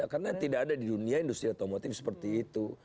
karena tidak ada di dunia industri otomotif seperti itu